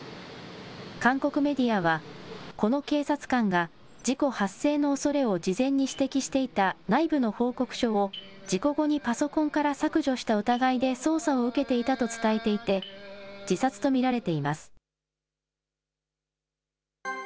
韓国メディアは、この警察官が事故発生のおそれを事前に指摘していた内部の報告書を、事故後にパソコンから削除した疑いで捜査を受けていたと伝えていて、自殺と見られています。